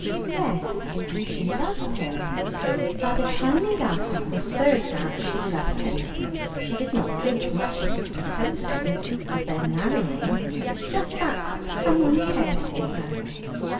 Yes, she loved him; by the time he had asked her for the third dance she loved him. She did not think much of his proposing, of their marrying, just that someone cared for her.